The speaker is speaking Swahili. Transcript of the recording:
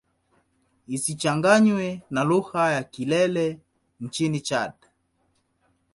Isichanganywe na lugha ya Kilele nchini Chad.